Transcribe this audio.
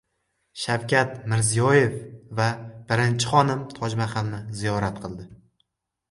Shavkat Mirziyoyev va birinchi xonim Tojmahalni ziyorat qildi